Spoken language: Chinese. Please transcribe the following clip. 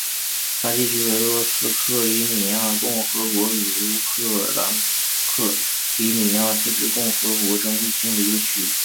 萨基区为俄罗斯克里米亚共和国与乌克兰克里米亚自治共和国争议性的一个区。